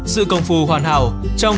sự công phu hoàn hảo trong